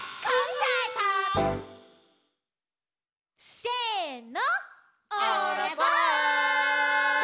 せの。